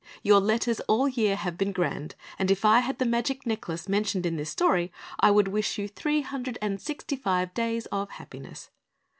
_ _Your letters all year have been grand and if I had the magic necklace mentioned in this story I would wish you three hundred and sixty five days of happiness.